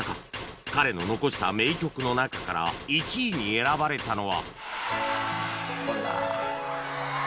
彼の残した名曲の中から１位に選ばれたのは